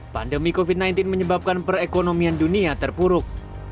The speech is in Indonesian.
pandemi covid sembilan belas menyebabkan perekonomian dunia terpuruk